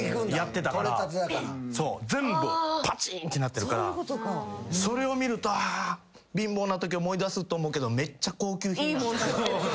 全部パチーンってなってるからそれを見るとあ貧乏なとき思い出すって思うけどめっちゃ高級品。